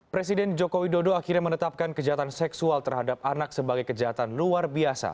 presiden joko widodo akhirnya menetapkan kejahatan seksual terhadap anak sebagai kejahatan luar biasa